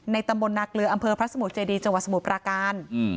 ตำบลนาเกลืออำเภอพระสมุทรเจดีจังหวัดสมุทรปราการ